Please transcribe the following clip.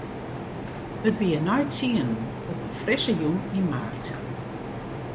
It wie nei tsienen op in frisse jûn yn maart.